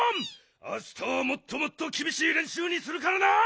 あしたはもっともっときびしいれんしゅうにするからな！